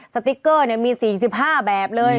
สติ๊กเกอร์มี๔๕แบบเลย